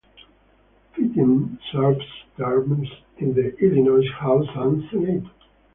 Fithian served terms in the Illinois House and Senate.